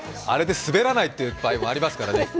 あれで滑らないという場合もありますからね。